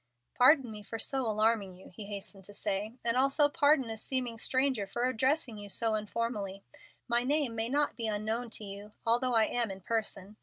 "Pardon me for so alarming you," he hastened to say, "and also pardon a seeming stranger for addressing you informally. My name may not be unknown to you, although I am in person.